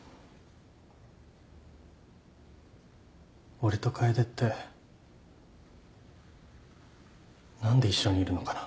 俺と楓って何で一緒にいるのかな。